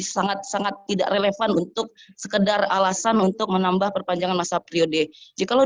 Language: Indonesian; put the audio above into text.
sangat sangat tidak relevan untuk sekedar alasan untuk menambah perpanjangan masa periode jika lo